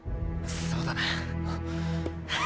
そうだな。